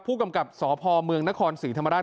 ผู้กำกับสพเมืองนครศรีธรรมราช